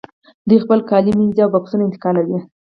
دوی خپل کالي مینځي او بکسونه انتقالوي